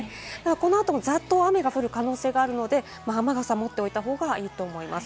この後もざっと雨が降る可能性があるので、雨傘持っておいた方がいいと思います。